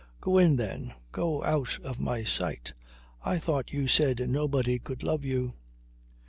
"Go in then. Go out of my sight I thought you said nobody could love you."